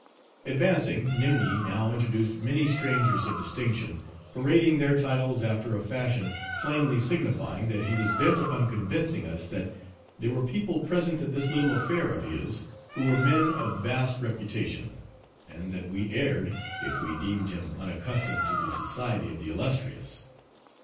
Advancing, Nimni now introduced many strangers of distinction, parading their titles after a fashion, plainly signifying that he was bent upon convincing us, that there were people present at this little affair of his, who were men of vast reputation; and that we erred, if we deemed him unaccustomed to the society of the illustrious.